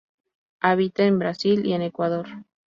Habita en Brasil y en Ecuador.